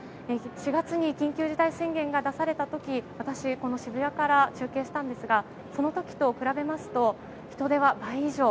４月に緊急事態宣言が出された時私、この渋谷から中継したんですがその時と比べますと人出は倍以上。